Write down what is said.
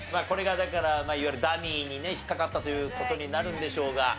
これがだからいわゆるダミーにね引っかかったという事になるんでしょうが。